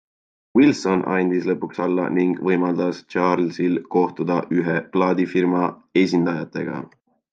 Wilson andis lõpuks alla ning võimaldas Charlesil kohtuda ühe plaadifirma esindajatega.